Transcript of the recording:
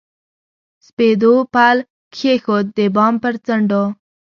سپېدو پل کښېښود، د بام پر څنډو